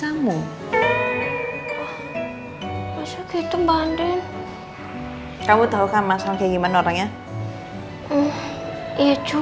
kalau misalkan kamu bikin surprise aja mbak andin nggak bisa bayangin deh mbak andin nggak bisa bayangin deh mbak